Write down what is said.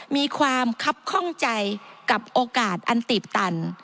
มีความคับข้องใจกับโอกาสอันตีบตัน